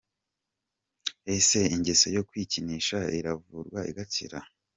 Ese ingeso yo kwikinisha iravurwa igakira?.